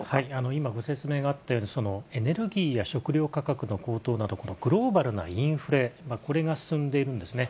今ご説明があったように、エネルギーや食料価格の高騰など、グローバルなインフレ、これが進んでいるんですね。